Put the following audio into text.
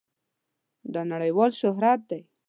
دا نړېوال شهرت دی.